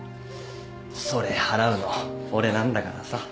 それ払うの俺なんだからさ。